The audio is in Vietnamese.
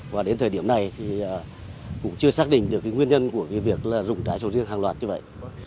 và đến thời điểm này thì cũng chưa xác định được nguyên nhân của việc rụng trái sầu riêng hàng loạt như vậy